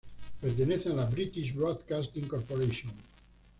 Pertenece a la British Broadcasting Corporation.